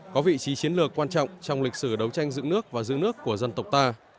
có vị trí chiến lược quan trọng trong lịch sử đấu tranh giữ nước và giữ nước của dân tộc ta